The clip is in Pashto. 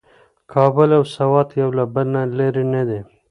کابل او سوات یو له بل نه لرې نه دي.